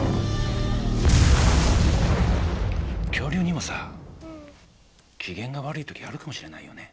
恐竜にもさ機嫌が悪い時あるかもしれないよね。